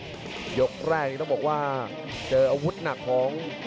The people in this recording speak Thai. ปุ่นยกแรกเป็นอยู่ที่หาอาวุธหนักของเม็ดแปดแสน